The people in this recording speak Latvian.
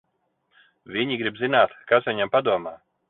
Viņi grib zināt, kas viņam padomā.